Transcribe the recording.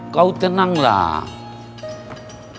kau tenang lah